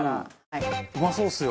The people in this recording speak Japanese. うまそうっすよ。